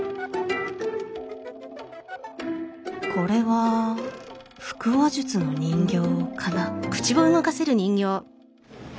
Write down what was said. これは腹話術の人形かな。